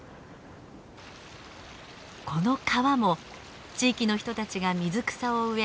この川も地域の人たちが水草を植え